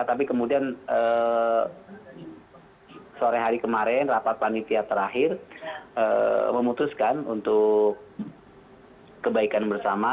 tapi kemudian sore hari kemarin rapat panitia terakhir memutuskan untuk kebaikan bersama